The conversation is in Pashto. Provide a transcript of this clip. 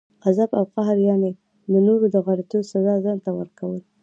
غصه او قهر، یعني د نورو د غلطۍ سزا ځانته ورکول!